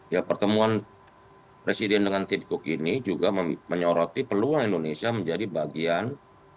ya pertemuan presiden dengan tidkok ini juga menyoroti peluang indonesia menjadi bagian dari rantai pasok global dari produk apple